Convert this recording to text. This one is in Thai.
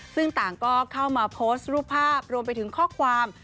ซึ่งต่างก็เข้ามาโพสต์รูปภาพรวมไปถึงข้อความ